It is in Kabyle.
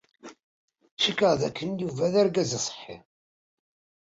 Cikkeɣ dakken Yuba d argaz aṣeḥḥi.